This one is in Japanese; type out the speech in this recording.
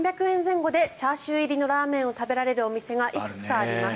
博多には１杯３００円前後でチャーシュー入りのラーメンを食べられるお店がいくつかあります。